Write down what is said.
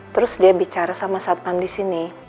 terus dia bicara sama satpam di sini